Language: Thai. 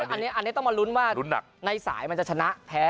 อันนี้ต้องมาลุ้นว่าในสายมันจะชนะแพ้